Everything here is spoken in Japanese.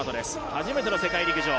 初めての世界陸上。